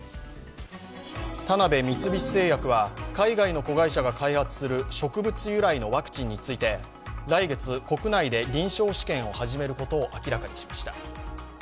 田辺三菱製薬は、海外の子会社が開発する植物由来のワクチンについて、来月国内で臨床試験を始めることを明らかにしました。